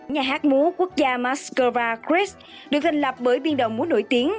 nhà hát múa quốc gia moscow zen được thành lập bởi biên đồng múa nổi tiếng